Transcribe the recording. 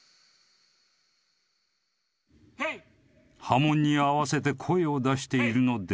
［波紋に合わせて声を出しているのではない］